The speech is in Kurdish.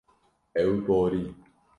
Ew borî.